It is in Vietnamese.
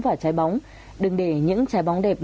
và trái bóng đừng để những trái bóng đẹp